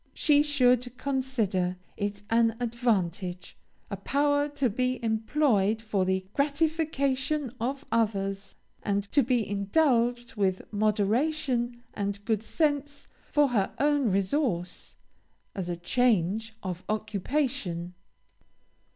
She should consider it as an advantage, a power to be employed for the gratification of others, and to be indulged with moderation and good sense for her own resource, as a change of occupation.